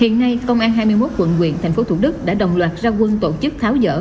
hiện nay công an hai mươi một quận quyện tp thủ đức đã đồng loạt ra quân tổ chức tháo dở